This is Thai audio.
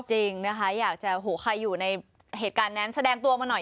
จริงนะคะอยากจะหูใครอยู่ในเหตุการณ์นั้นแสดงตัวมาหน่อย